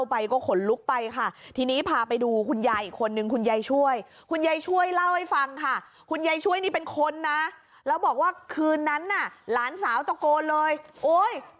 พวกลกอะไรอย่างนี้ค่ะโอ้โฮ